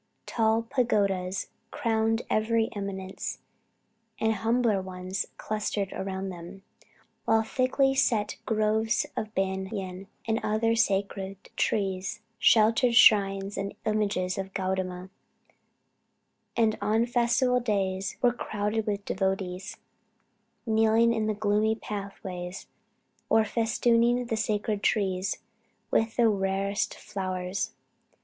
Tall pagodas crowned every eminence, and humbler ones clustered around them, while thickly set groves of banyan and other sacred trees, sheltered shrines and images of Gaudama, and on festival days were crowded with devotees, kneeling in the gloomy pathways, or festooning the sacred trees with the rarest flowers.